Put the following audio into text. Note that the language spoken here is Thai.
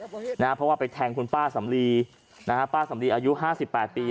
เพราะว่าไปแทงคุณป้าสำลีนะฮะป้าสำลีอายุ๕๘ปี